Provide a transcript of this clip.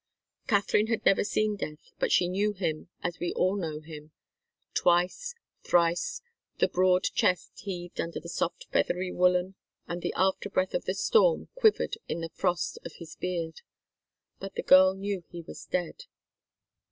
Katharine had never seen death, but she knew him, as we all know him. Twice, thrice, the broad chest heaved under the soft, feathery woollen, and the after breath of the storm quivered in the frost of his beard. But the girl knew he was dead.